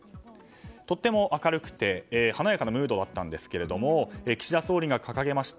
とっても明るくて華やかなムードだったんですけれども岸田総理が掲げました